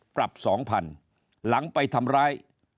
ปรับ๒๐๐๐หลังไปทำร้าย